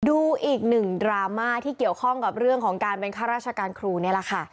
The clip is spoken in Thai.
ดูอีกหนึ่งดราม่าที่เกี่ยวข้องกับเรื่องของการเป็นข้าราชการครูนี่แหละค่ะ